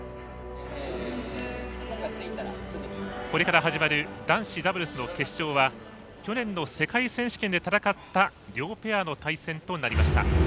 これから始まる男子ダブルスの決勝は去年の世界選手権で戦った両ペアの対戦となりました。